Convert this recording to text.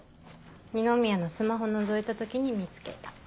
二宮のスマホのぞいた時に見つけた。